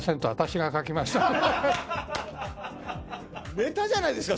ネタじゃないですか！